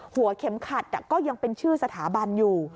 หัวเข็มขัดก็ยังเป็นชื่อสถาบันอยู่